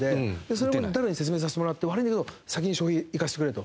それもダルに説明させてもらって「悪いけど先に翔平いかせてくれ」と。